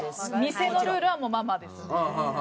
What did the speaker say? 店のルールはママですね。